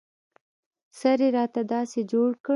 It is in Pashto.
سر يې راته داسې جوړ کړ.